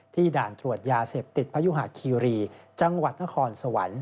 ด่านตรวจยาเสพติดพยุหาคีรีจังหวัดนครสวรรค์